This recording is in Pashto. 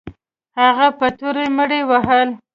هغه په توره مړي وهل.